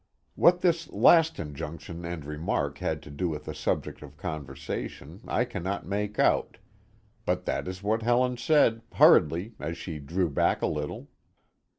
What this last injunction and remark had to do with the subject of conversation, I cannot make out, but that is what Helen said, hurriedly, as she drew back a little.